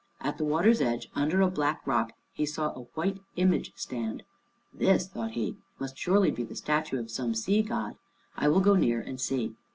At the water's edge, under a black rock, he saw a white image stand. "This," thought he, "must surely be the statue of some sea god. I will go near and see."